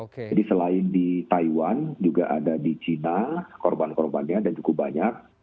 jadi selain di taiwan juga ada di china korban korbannya dan cukup banyak